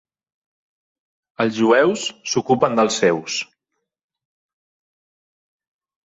Els jueus s'ocupen dels seus.